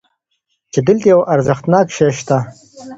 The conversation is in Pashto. چې دلته یو ارزښتناک شی شته.